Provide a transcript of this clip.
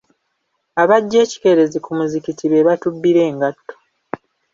Abajja ekikeerezi ku muzikiti be batubbira engatto